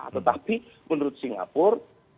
tetapi menurut singapura